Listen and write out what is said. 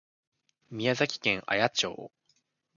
宮崎県綾町